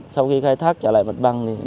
sau khi khai thác trở lại mặt bằng